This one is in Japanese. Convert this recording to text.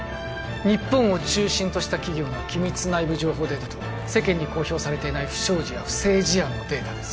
日本を中心とした企業の機密内部情報データと世間に公表されていない不祥事や不正事案のデータです